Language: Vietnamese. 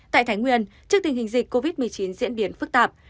tại thái nguyên trước tình hình dịch covid một mươi chín diễn biến phức tạp